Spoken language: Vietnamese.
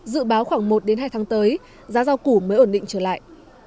dự báo khoảng một đến hai tháng tới giá giao củ mới ổn định trở lại